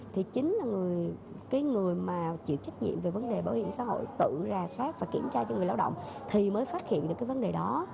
thì chính là cái người mà chịu trách nhiệm về vấn đề bảo hiểm xã hội tự rà soát và kiểm tra cho người lao động thì mới phát hiện được cái vấn đề đó